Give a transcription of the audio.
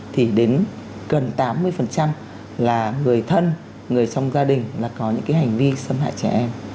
thì đến gần tám mươi là người thân người trong gia đình là có những cái hành vi xâm hại trẻ em